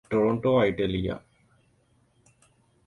Toronto Italia